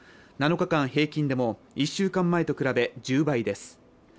７日間平均でも１週間前と比べ１０倍です。